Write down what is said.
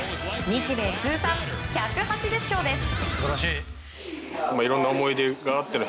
日米通算１８０勝です。